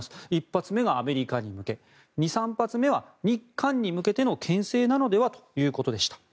１発目がアメリカに向け２３発目は日韓に向けてのけん制なのではということでした。